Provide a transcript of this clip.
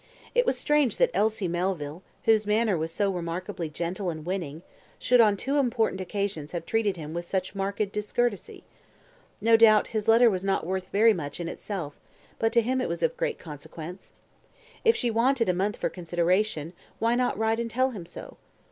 It was strange that Elsie Melville, whose manner was so remarkably gentle and winning, should on two important occasions have treated him with such marked discourtesy. No doubt, his letter was not worth very much in itself; but to him it was great consequence. If she wanted a month for consideration, why not write and tell him so?